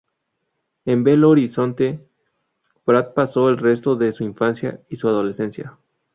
En Belo Horizonte Brant pasó el resto de su infancia y su adolescencia.